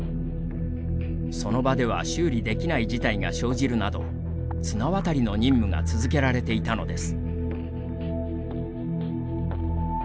その場では修理できない事態が生じるなど綱渡りの任務が続けられていたのです。